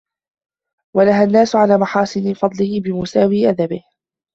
وَلَهَا النَّاسَ عَنْ مَحَاسِنِ فَضْلِهِ بِمُسَاوِي أَدَبِهِ